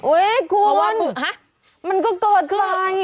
เฮ้ยคุณมันก็เกิดไป